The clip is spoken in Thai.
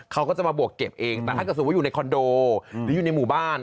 เขาก็จะมาบวกเก็บเองแต่ถ้าเกิดสมมุติอยู่ในคอนโดหรืออยู่ในหมู่บ้าน